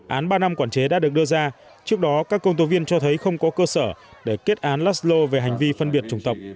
án ba năm quản chế đã được đưa ra trước đó các công tố viên cho thấy không có cơ sở để kết án laslo về hành vi phân biệt chủng tộc